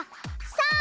さあ！